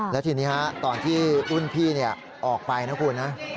แล้วทีนี้ตอนที่รุ่นพี่ออกไปนะคุณนะ